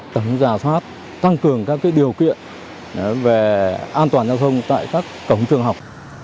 tổng giả soát tăng cường các điều kiện về an toàn giao thông tại các cổng trường học